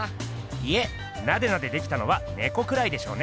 いえナデナデできたのはねこくらいでしょうね。